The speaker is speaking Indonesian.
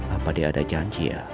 apa dia ada janji ya